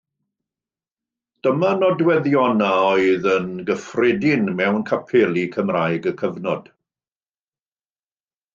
Dyma nodweddion a oedd yn gyffredin mewn capeli Cymraeg y cyfnod.